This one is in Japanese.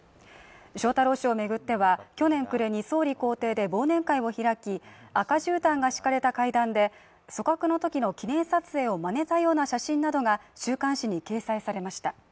翔太郎氏を巡っては去年暮れに総理公邸で忘年会を開き、赤じゅうたんが敷かれた階段で組閣のときの記念撮影を真似たような写真などが週刊誌に掲載されました。